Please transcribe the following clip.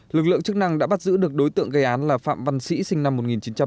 lực lượng chức năng đã bắt giữ được đối tượng gây án là phạm văn sĩ sinh năm một nghìn chín trăm tám mươi